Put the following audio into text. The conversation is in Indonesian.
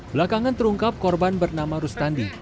belakangan terungkap korban bernama rustandi